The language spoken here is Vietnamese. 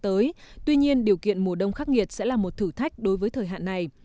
tuy nhiên điều kiện mùa đông khắc nghiệt sẽ là một thử thách đối với thời hạn này